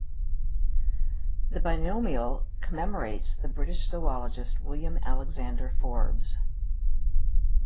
The binomial commemorates the British zoologist William Alexander Forbes.